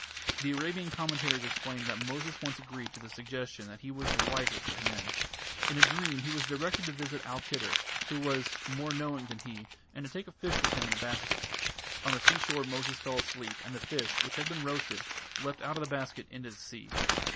The Arabian commentators explain that Moses once agreed to the suggestion that he was the wisest of men. In a dream he was directed to visit Al Khedr, who was "more knowing than he", and to take a fish with him in a basket. On the seashore Moses fell asleep, and the fish, which had been roasted, leapt out of the basket into the sea.